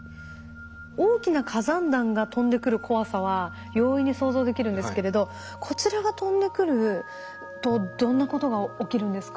大きな火山弾が飛んでくる怖さは容易に想像できるんですけれどこちらが飛んでくるとどんなことが起きるんですか？